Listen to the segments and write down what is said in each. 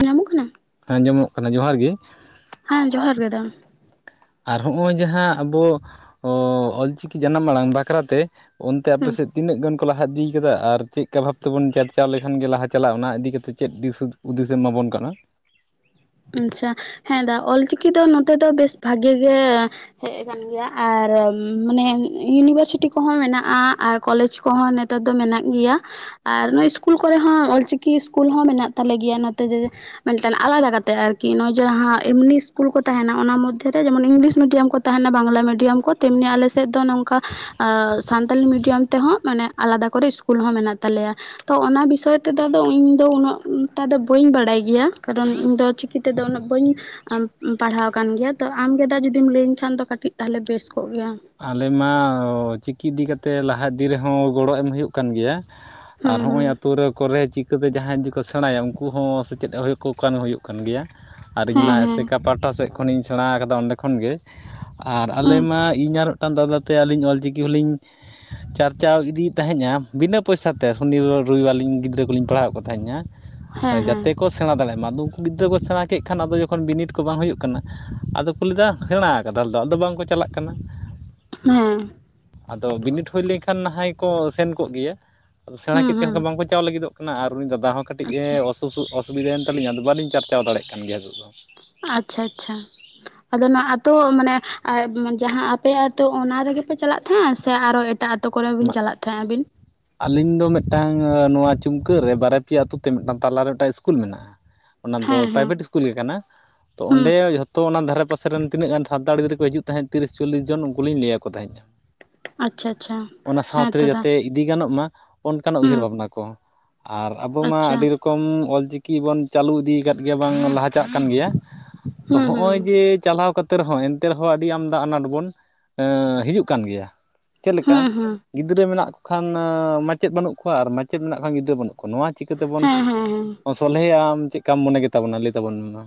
ᱟᱸᱡᱚᱢᱚᱜ ᱠᱟᱱᱟ? ᱦᱮᱸ ᱟᱸᱡᱚᱢᱚᱜ ᱠᱟᱱᱟ ᱡᱚᱦᱟᱨ ᱜᱮ᱾ ᱦᱮᱸ ᱡᱚᱦᱟᱨ ᱜᱮ ᱫᱟ᱾ ᱟᱨ ᱦᱚᱸᱜ-ᱚᱭ ᱡᱟᱦᱟᱸ ᱟᱵᱚ ᱚᱞᱪᱤᱠᱤ ᱡᱟᱱᱟᱢ ᱟᱲᱟᱝ ᱵᱟᱠᱷᱨᱟ ᱛᱮ᱾ ᱚᱱᱛᱮ ᱦᱩᱸ ᱟᱯᱮᱥᱮᱫ ᱛᱤᱱᱟᱹᱜ ᱜᱟᱱ ᱠᱚ ᱞᱟᱦᱟ ᱤᱫᱤ ᱟᱠᱟᱫᱟ ᱟᱨ ᱪᱮᱫᱠᱟ ᱵᱷᱟᱵᱽ ᱛᱮᱵᱚᱱ ᱪᱟᱨᱪᱟᱣ ᱞᱮᱠᱷᱟᱱ ᱜᱮ ᱞᱟᱦᱟ ᱪᱟᱞᱟᱜ-ᱟ ᱚᱱᱟ ᱤᱫᱤ ᱠᱟᱛᱮ ᱪᱮᱫ ᱫᱤᱥ ᱦᱩᱫᱤᱥ ᱮᱢᱟᱵᱚᱱ ᱠᱟᱱᱟ ᱾ ᱟᱪᱪᱷᱟ, ᱦᱮᱸ ᱫᱟ ᱚᱞᱪᱤᱠᱤ ᱫᱚ ᱱᱚᱛᱮ ᱫᱚ ᱵᱮᱥ ᱵᱷᱟᱜᱮ ᱜᱮ ᱦᱮᱡ ᱟᱠᱟᱱ ᱜᱮᱭᱟ ᱟᱨ ᱢᱟᱱᱮ ᱤᱭᱩᱱᱤᱵᱷᱟᱨᱥᱤᱴᱤ ᱠᱚᱦᱚᱸ ᱢᱮᱱᱟᱜ-ᱟ ᱟᱨ ᱠᱚᱞᱮᱡᱽ ᱠᱚᱦᱚᱸ ᱱᱮᱛᱟᱨ ᱫᱚ ᱢᱮᱱᱟᱜ ᱜᱮᱭᱟ᱾ ᱟᱨ ᱱᱚᱜᱚᱭ ᱤᱥᱠᱩᱞ ᱠᱚᱨᱮ ᱦᱚᱸ ᱚᱞᱪᱤᱠᱤ ᱤᱥᱠᱩᱞ ᱦᱚᱸ ᱢᱮᱱᱟᱜ ᱛᱟᱞᱮ ᱜᱮᱭᱟ ᱾ ᱱᱚᱛᱮ ᱫᱚ ᱢᱤᱫᱴᱮᱱ ᱟᱞᱟᱫᱟ ᱠᱟᱨ ᱛᱮ ᱟᱨᱠᱤ ᱱᱚᱜ-ᱚᱭ ᱡᱟᱦᱟᱸ ᱮᱢᱱᱤ ᱤᱥᱠᱩᱞ ᱠᱚ ᱛᱟᱦᱮᱱᱟ ᱚᱱᱟ ᱢᱚᱫᱽᱫᱷᱮ ᱨᱮ ᱡᱮᱢᱚᱱ ᱤᱝᱞᱤᱥ ᱢᱤᱰᱤᱭᱟᱢ ᱠᱚ ᱛᱟᱦᱮᱱᱟ ᱵᱟᱝᱞᱟ ᱢᱤᱰᱤᱭᱟᱢ ᱠᱚ ᱛᱮᱢᱱᱤ ᱟᱞᱮᱥᱮᱫ ᱫᱚ ᱱᱚᱝᱠᱟ ᱟ ᱥᱟᱱᱛᱟᱞᱤ ᱢᱤᱰᱤᱭᱟᱢ ᱛᱮᱦᱚᱸ ᱢᱟᱱᱮ ᱟᱞᱟᱫᱟ ᱠᱚᱨᱮ ᱤᱥᱠᱩᱞ ᱦᱚᱸ ᱢᱮᱱᱟᱜ ᱛᱟᱞᱮᱭᱟ᱾ ᱛᱚ ᱚᱱᱟ ᱵᱤᱥᱚᱭ ᱛᱮᱫᱚ ᱤᱧᱫᱚ ᱩᱱᱟᱹᱜᱴᱟ ᱫᱚ ᱵᱟᱹᱧ ᱵᱟᱲᱟᱭ ᱜᱮᱭᱟ ᱾ ᱠᱟᱨᱚᱱ ᱤᱧ ᱫᱚ ᱪᱤᱠᱤ ᱛᱮᱫᱚ ᱩᱱᱟᱹᱜ ᱵᱟᱹᱧ ᱟᱢ ᱯᱟᱲᱦᱟᱣ ᱟᱠᱟᱱ ᱜᱮᱭᱟ ᱛᱚ ᱟᱢᱜᱮ ᱫᱟ ᱡᱚᱫᱤᱢ ᱞᱟᱹᱭᱟᱹᱧ ᱠᱷᱟᱱ ᱫᱚ ᱠᱟᱹᱴᱤᱡ ᱛᱟᱦᱞᱮ ᱵᱮᱥ ᱠᱚᱜ ᱜᱮᱭᱟ᱾ ᱟᱞᱮ ᱢᱟ ᱪᱤᱠᱤ ᱤᱫᱤ ᱠᱟᱛᱮᱫ ᱞᱟᱦᱟ ᱤᱫᱤ ᱨᱮᱦᱚᱸ ᱜᱚᱲᱚ ᱮᱢ ᱦᱩᱭᱩᱜ ᱠᱟᱱ ᱜᱮᱭᱟ [inaudible] ᱟᱨ ᱦᱩᱸ ᱦᱚᱸᱜ-ᱚᱭ ᱦᱩᱸ ᱟᱹᱛᱩ ᱨᱮ ᱠᱚᱨᱮ ᱪᱤᱠ ᱛᱚᱵᱮ ᱡᱟᱦᱟᱸᱭ ᱡᱩᱫᱤ ᱠᱚ ᱥᱮᱬᱟᱭᱟ ᱩᱱᱠᱩ ᱦᱚᱸ ᱥᱮᱪᱮᱫ ᱦᱩᱭᱩᱜ ᱠᱚ ᱠᱷᱟᱱ ᱦᱩᱭᱩᱜ ᱠᱟᱱ ᱜᱮᱭᱟ᱾ ᱟᱨ ᱤᱧᱢᱟ ᱦᱮᱸ ᱦᱮᱸ ᱮᱥᱮᱠᱟᱹ ᱯᱟᱦᱴᱟ ᱥᱮᱫ ᱠᱷᱚᱱᱤᱧ ᱥᱮᱬᱟ ᱟᱠᱟᱫᱟ ᱚᱸᱰᱮ ᱠᱷᱚᱱᱜᱮ ᱟᱨ ᱟᱞᱮ ᱦᱩᱸ ᱢᱟ ᱤᱧ ᱟᱨ ᱫᱟᱫᱟ ᱛᱮ ᱟᱹᱞᱤᱧ ᱚᱞᱪᱤᱠᱤ ᱦᱚᱞᱤᱧ ᱪᱟᱨᱪᱟᱣ ᱤᱫᱤᱭᱮᱫ ᱛᱟᱦᱮᱸᱼᱟ ᱵᱤᱱᱟᱹ ᱯᱚᱭᱥᱟᱛᱮ ᱥᱚᱱᱤᱨ ᱨᱚᱵᱤᱵᱟᱨᱞᱤᱧ ᱜᱤᱫᱽᱨᱟᱹ ᱠᱚᱞᱤᱧ ᱯᱟᱲᱦᱟᱣᱮᱫ ᱠᱚ ᱛᱟᱦᱮᱸᱜᱼᱟ᱾ ᱦᱮᱸ ᱦᱮᱸ ᱡᱟᱛᱮ ᱠᱚ ᱥᱮᱬᱟ ᱫᱟᱲᱮᱭᱟᱜ ᱢᱟ ᱟᱫᱚ ᱩᱱᱠᱩ ᱜᱤᱫᱽᱨᱟᱹ ᱠᱚ ᱥᱮᱬᱟ ᱠᱮᱫ ᱠᱷᱟᱱ ᱟᱫᱚ ᱡᱚᱠᱷᱚᱱ ᱵᱤᱱᱤᱰ ᱠᱚ ᱵᱟᱝ ᱦᱩᱭᱩᱜ ᱠᱟᱱᱟ ᱟᱫᱚ ᱦᱩᱞᱫᱟ ᱥᱮᱬᱟ ᱟᱠᱟᱫᱟ ᱟᱞᱮ ᱫᱚ ᱟᱫᱚ ᱵᱟᱝᱠᱚ ᱪᱟᱞᱟᱜ ᱠᱟᱱᱟ᱾ ᱦᱮᱸ᱾ ᱟᱫᱚ ᱵᱤᱱᱤᱰ ᱦᱩᱭ ᱞᱮᱱᱠᱷᱟᱱ ᱱᱟᱦᱭ ᱠᱚ ᱥᱮᱱ ᱠᱚᱜ ᱜᱮᱭᱟ ᱟᱫᱚ ᱥᱮᱬᱟ ᱦᱩᱸ ᱠᱮᱫ ᱦᱩᱸ ᱠᱷᱟᱱ ᱵᱟᱝᱠᱚ ᱪᱟᱣ ᱞᱟᱹᱜᱤᱫᱚᱜ ᱠᱟᱱᱟ ᱟᱨ ᱩᱱᱤ ᱫᱟᱫᱟ ᱦᱚᱸ ᱠᱟᱹᱴᱤᱡ ᱮ ᱟᱪᱪᱷᱟ ᱚᱥᱩᱵᱤᱫᱷᱟᱭᱮᱱ ᱛᱟᱹᱞᱤᱧᱟ ᱟᱫᱚ ᱵᱟᱹᱞᱤᱧ ᱪᱟᱨᱪᱟᱣ ᱫᱟᱲᱮᱭᱟᱜ ᱠᱟᱱ ᱜᱮᱭᱟ ᱦᱤᱡᱚᱜ ᱫᱚ᱾ ᱟᱪᱪᱷᱟ ᱟᱪᱪᱷᱟ᱾ ᱟᱫᱚ ᱱᱚᱣᱟ ᱟᱛᱳ ᱢᱟᱱᱮ ᱡᱟᱦᱟᱸ ᱟᱯᱮ ᱟᱛᱳ ᱚᱱᱟ ᱨᱮᱜᱮ ᱯᱮ ᱪᱟᱞᱟᱜ ᱛᱟᱦᱮᱸᱜ ᱥᱮ ᱟᱨᱚ ᱮᱴᱟᱜ ᱟᱛ ᱟᱛᱳ ᱠᱚᱨᱮ ᱵᱤᱱ ᱪᱟᱞᱟᱜ ᱛᱟᱦᱮᱸᱜ ᱟᱵᱤᱱ? ᱟᱹᱞᱤᱧ ᱫᱚ ᱢᱤᱫᱴᱟᱝ ᱱᱚᱣᱟ ᱪᱩᱢᱠᱟᱹ ᱨᱮ ᱵᱟᱨ ᱯᱮᱭᱟ ᱟᱹᱛᱩ ᱛᱮ ᱢᱤᱫᱴᱟᱝ ᱛᱟᱞᱟᱨᱮ ᱢᱤᱫᱴᱟᱝ ᱤᱥᱠᱩᱞ ᱢᱮᱱᱟᱜᱼᱟ᱾ ᱚᱱᱟ ᱫᱚ ᱦᱮᱸ ᱦᱮᱸ ᱯᱨᱟᱭᱵᱷᱮᱴ ᱤᱥᱠᱩᱞ ᱜᱮ ᱠᱟᱱᱟ ᱛᱚ ᱦᱩᱸ ᱚᱸᱰᱮ ᱡᱷᱚ ᱛᱚ ᱚᱱᱟ ᱫᱷᱟᱨᱮ ᱯᱟᱥᱮ ᱨᱮᱱ ᱛᱤᱱᱟᱹᱜ ᱥᱟᱱᱛᱟᱲ ᱜᱤᱫᱽᱨᱟᱹ ᱠᱚ ᱦᱤᱡᱩᱜ ᱛᱟᱦᱮᱸᱫ ᱛᱤᱨᱤᱥ ᱪᱚᱞᱞᱤᱥ ᱡᱚᱱ ᱩᱱᱠᱩᱞᱤᱧ ᱞᱟᱹᱭᱟ ᱠᱚ ᱛᱟᱦᱮᱸᱧ᱾ ᱟᱪᱪᱷᱟ ᱟᱪᱪᱷᱟ᱾ ᱚᱱᱟ ᱦᱮᱸ ᱥᱟᱶᱛᱮ ᱛᱚ ᱫᱟ ᱡᱟᱛᱮ ᱤᱫᱤ ᱜᱟᱱᱚᱜ ᱢᱟ ᱚᱱᱠᱟᱱ ᱦᱩᱸ ᱩᱭᱦᱟᱹᱨ ᱵᱷᱟᱵᱽᱱᱟ ᱠᱚ ᱟᱨ ᱟᱵᱚ ᱢᱟ ᱟᱪᱪᱷᱟ ᱟᱹᱰᱤ ᱨᱚ ᱠᱚᱢ ᱚᱞᱼᱪᱤᱠᱤ ᱵᱚᱱ ᱪᱟᱹᱞᱩ ᱤᱫᱤ ᱠᱟᱫ ᱜᱮᱭᱟ ᱵᱟᱝ ᱞᱟᱦᱟᱪᱟᱜ ᱠᱟᱱ ᱜᱮᱭᱟ᱾ ᱛᱚ ᱦᱩᱸ ᱦᱩᱸ ᱦᱚᱜᱼᱚᱭ ᱡᱮ ᱪᱟᱞᱟᱣ ᱠᱟᱛ ᱮᱱᱛᱮ ᱨᱮᱦᱚᱸ ᱮᱱᱛᱮ ᱨᱮᱦᱚᱸ ᱟᱹᱰᱤ ᱟᱢᱫᱟ ᱟᱱᱟᱴ ᱵᱚᱱ ᱦᱤᱡᱩᱜ ᱠᱟᱱ ᱜᱮᱭᱟ ᱪᱮᱫ ᱞᱮᱠᱟ ᱦᱩᱸ ᱦᱩᱸ ᱜᱤᱫᱽᱨᱟᱹ ᱢᱮᱱᱟᱜ ᱠᱚ ᱠᱷᱟᱱ ᱢᱟᱪᱮᱫ ᱵᱟᱹᱱᱩᱜ ᱠᱚᱣᱟ ᱟᱨ ᱢᱟᱪᱮᱫ ᱢᱮᱱᱟᱜ ᱠᱷᱟᱱ ᱜᱤᱫᱽᱨᱟᱹ ᱵᱟᱹᱱᱩᱜ ᱠᱚᱣᱟ ᱱᱚᱣᱟ ᱪᱤᱠᱟᱹ ᱛᱮᱵᱚᱱ ᱦᱮᱸ ᱦᱮᱸ ᱦᱮᱸ ᱥᱚᱞᱦᱮᱭᱟ ᱟᱢ ᱪᱮᱫ ᱠᱟᱢ ᱢᱚᱱᱮ ᱜᱮᱛᱟ ᱵᱚᱱᱟ ᱞᱟᱹᱭ ᱛᱟᱵᱚᱱ ᱢᱮ ᱢᱟ᱾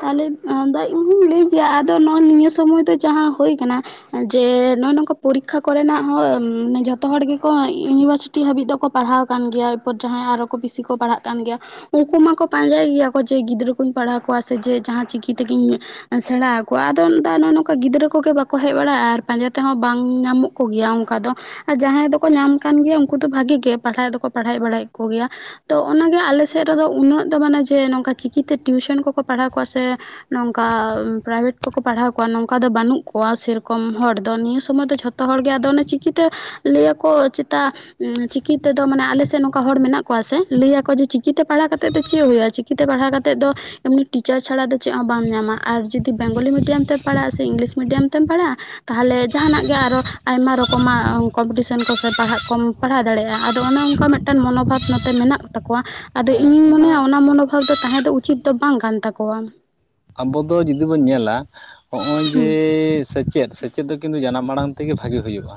ᱛᱟᱦᱚᱞᱮ ᱟᱫᱚ ᱤᱧ ᱦᱚᱸᱧ ᱞᱟᱹᱭ ᱜᱮᱭᱟ ᱟᱫᱚ ᱱᱚᱜᱚᱭ ᱱᱤᱭᱟᱹ ᱥᱚᱢᱚᱭ ᱫᱚ ᱡᱟᱦᱟᱸ ᱦᱳᱭ ᱠᱟᱱᱟ ᱡᱮ ᱱᱚᱜᱼᱚᱭ ᱱᱚᱝᱠᱟ ᱯᱚᱨᱤᱠᱠᱷᱟ ᱠᱚᱨᱮᱱᱟᱜ ᱦᱚᱸ ᱡᱚᱛᱚ ᱦᱚᱲ ᱜᱮᱠᱚ ᱤᱭᱩᱱᱤᱵᱷᱟᱨᱥᱤ ᱴᱤ ᱦᱟᱹᱵᱤᱡ ᱫᱚᱠᱚ ᱯᱟᱲᱦᱟᱣ ᱟᱠᱟᱱ ᱜᱮᱭᱟ ᱮᱨᱯᱚᱨ ᱡᱟᱦᱟᱸᱭ ᱟᱨᱚ ᱠᱚ ᱵᱤᱥᱤ ᱠᱚ ᱯᱟᱲᱦᱟᱜ ᱠᱟᱱ ᱜᱮᱭᱟ᱾ ᱩᱱᱠᱩ ᱢᱟᱠᱚ ᱯᱟᱸᱡᱟᱭ ᱜᱮᱭᱟ ᱠᱚ ᱡᱮ ᱜᱤᱫᱽᱨᱟᱹ ᱠᱚᱧ ᱯᱟᱲᱦᱟᱣ ᱠᱚᱣᱟ ᱥᱮ ᱡᱮ ᱡᱟᱦᱟᱸ ᱪᱤᱠᱤ ᱛᱮᱜᱤᱧ ᱥᱮᱬᱟ ᱟᱠᱚᱣᱟ ᱟᱫᱚ ᱱᱚᱜᱼᱚ ᱱᱚᱝᱠᱟ ᱜᱤᱫᱽᱨᱟᱹ ᱠᱚᱜᱮ ᱵᱟᱠᱚ ᱦᱮᱡ ᱵᱟᱲᱟᱜᱼᱟ ᱟᱨ ᱯᱟᱸᱡᱟ ᱛᱮᱦᱚᱸ ᱵᱟᱝ ᱧᱟᱢᱚᱜ ᱠᱚ ᱜᱮᱭᱟ ᱚᱱᱠᱟ ᱫᱚ ᱟᱨ ᱡᱟᱦᱟᱸᱭ ᱫᱚᱠᱚ ᱧᱟᱢ ᱠᱟᱱ ᱜᱮᱭᱟ ᱩᱱᱠᱩ ᱫᱚ ᱵᱷᱟᱜᱮ ᱜᱮ ᱯᱟᱲᱦᱟᱜ ᱫᱚᱠᱚ ᱯᱟᱲᱦᱟᱣ ᱵᱟᱲᱟᱭᱮᱫ ᱠᱚᱜᱮᱭᱟ᱾ ᱛᱚ ᱚᱱᱟᱜᱮ ᱟᱞᱮ ᱥᱮᱫ ᱨᱮᱫᱚ ᱩᱱᱟᱹᱜ ᱫᱚ ᱢᱟᱱᱮ ᱡᱮ ᱱᱚᱝᱠᱟ ᱪᱤᱠᱤᱛᱮ ᱴᱤᱭᱩᱥᱚᱱ ᱠᱚᱠᱚ ᱯᱟᱲᱦᱟᱣ ᱠᱚᱣᱟ ᱥᱮ ᱱᱚᱝᱠᱟ ᱯᱨᱟᱭᱵᱷᱮᱴ ᱠᱚᱠᱚ ᱯᱟᱲᱦᱟᱣ ᱠᱚᱣᱟ ᱱᱚᱝᱠᱟ ᱫᱚ ᱵᱟᱹᱱᱩᱜ ᱠᱚᱣᱟ ᱥᱮᱨᱚᱠᱚᱢ ᱦᱚᱲ ᱫᱚ ᱱᱤᱭᱟᱹ ᱥᱚᱢᱚᱭ ᱫᱚ ᱡᱷᱚ ᱛᱚ ᱦᱚᱲ ᱜᱮ ᱟᱫᱚ ᱚᱱᱮ ᱪᱤᱠᱤᱛᱮ ᱞᱟᱹᱭᱟᱠᱚ ᱪᱮᱛᱟ ᱪᱤᱠᱤ ᱛᱮᱫᱚ ᱢᱟᱱᱮ ᱟᱞᱮ ᱥᱮᱫ ᱱᱚᱝᱠᱟ ᱦᱚᱲ ᱢᱮᱱᱟᱜ ᱠᱚᱣᱟ ᱥᱮ ᱞᱟᱹᱭᱟᱠᱳ ᱡᱮ ᱪᱤᱠᱤᱛᱮ ᱯᱟᱲᱦᱟᱣ ᱠᱟᱛᱮᱜ ᱫᱚ ᱪᱮᱫ ᱦᱩᱭᱩᱜᱼᱟ? ᱪᱤᱠᱤ ᱛᱮ ᱯᱟᱲᱦᱟᱣ ᱠᱟᱛᱮᱫ ᱫᱚ ᱮᱢᱱᱤ ᱴᱤᱪᱟᱨ ᱪᱷᱟᱲᱟ ᱫᱚ ᱪᱮᱫ ᱦᱚᱸ ᱵᱟᱢ ᱧᱟᱢᱟ ᱟᱨ ᱡᱩᱫᱤ ᱵᱮᱝᱜᱚᱞᱤ ᱢᱤᱰᱤᱭᱟᱢ ᱛᱮᱢ ᱯᱟᱲᱦᱟᱜᱼᱟ ᱥᱮ ᱤᱝᱞᱤᱥ ᱢᱤᱰᱤᱭᱟᱢ ᱛᱮᱢ ᱯᱟᱲᱦᱟᱜᱼᱟ᱾ ᱛᱟᱦᱚᱞᱮ ᱡᱟᱦᱟᱱᱟᱜ ᱜᱮ ᱟᱨᱚ ᱟᱭᱢᱟ ᱨᱚᱠᱚᱢᱟᱜ ᱠᱚᱢᱯᱤᱴᱤᱥᱮᱱ ᱠᱚ ᱥᱮ ᱯᱟᱲᱦᱟᱜ ᱠᱚᱢ ᱯᱟᱲᱦᱟᱣ ᱫᱟᱲᱮᱭᱟᱜᱼᱟ ᱟᱫᱚ ᱚᱱᱮ ᱚᱱᱠᱟ ᱢᱤᱫᱴᱟᱝ ᱢᱚᱱᱳᱵᱷᱟᱵ ᱱᱚᱛᱮ ᱢᱮᱱᱟᱜ ᱛᱟᱠᱚᱣᱟ᱾ ᱟᱫᱚ ᱤᱧᱤᱧ ᱢᱚᱱᱮᱭᱟ ᱚᱱᱟ ᱢᱚᱱᱳᱵᱷᱟᱵᱽ ᱫᱚ ᱛᱟᱦᱮᱸ ᱫᱚ ᱩᱪᱤᱛ ᱫᱚ ᱵᱟᱝ ᱠᱟᱱ ᱛᱟᱠᱚᱣᱟ᱾ ᱟᱵᱚ ᱫᱚ ᱡᱩᱫᱤ ᱵᱚᱱ ᱧᱮᱞᱟ ᱦᱚᱜᱼᱚᱭ ᱦᱩᱸ ᱡᱮ ᱥᱮᱪᱮᱫ ᱥᱮᱪᱮᱫ ᱫᱚ ᱠᱤᱱᱛᱩ ᱡᱟᱱᱟᱢ ᱟᱲᱟᱝ ᱛᱮᱜᱮ ᱵᱷᱟᱜᱮ ᱦᱩᱭᱩᱜᱼᱟ